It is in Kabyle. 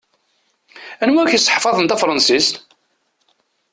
Anwa i ak-iseḥfaḍen tafṛansist?